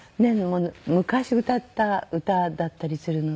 昔歌った歌だったりするので。